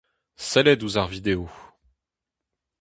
Sellet ouzh ar video.